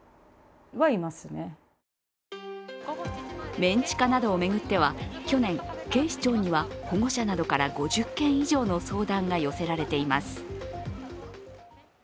メン地下などを巡っては去年、警視庁には保護者などから５０件以上の相談が寄せられています。